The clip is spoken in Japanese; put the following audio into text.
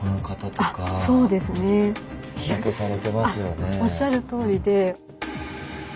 あっおっしゃるとおりで。